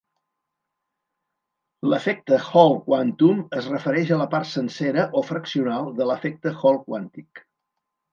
L'efecte Hall quàntum es refereix a la part sencera o fraccional de l'efecte Hall quàntic.